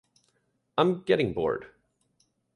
I'm getting bored.